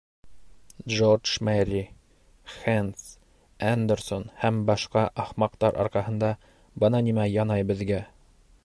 Джордж Мерри, Хэндс, Эндерсон һәм башҡа ахмаҡтар арҡаһында бына нимә янай беҙгә!